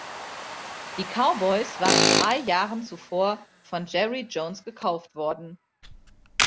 Die Cowboys waren drei Jahren zuvor von Jerry Jones gekauft worden.